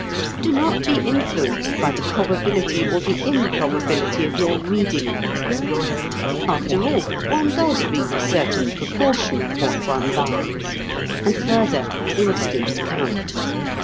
Do not be influenced by the probability or the improbability of your reading it. After all, one does read a certain proportion of what one buys. And further, instinct counts.